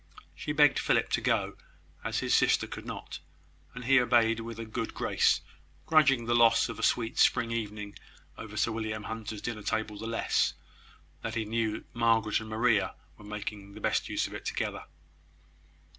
She begged Philip to go, as his sister could not; and he obeyed with a good grace, grudging the loss of a sweet spring evening over Sir William Hunter's dinner table the less, that he knew Margaret and Maria were making the best use of it together.